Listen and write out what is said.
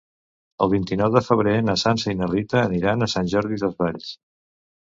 El vint-i-nou de febrer na Sança i na Rita aniran a Sant Jordi Desvalls.